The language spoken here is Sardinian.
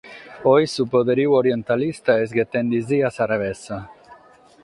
Oe su poderiu orientalista est ghetende·si a sa revessa.